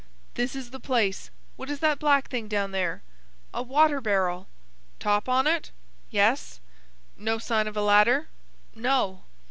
"This is the place. What is that black thing down there?" "A water barrel." "Top on it?" "Yes." "No sign of a ladder?" "No."